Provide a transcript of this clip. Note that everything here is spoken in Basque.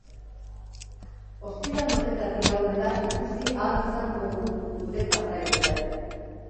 Ostiral honetatik aurrera ikusi ahal izango dugu gure pantailetan.